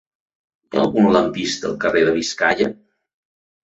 Hi ha algun lampista al carrer de Biscaia?